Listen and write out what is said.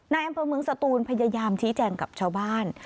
นายแอมพระมึงสะตูลพยายามชี้แจ่งกับชาวบ้าน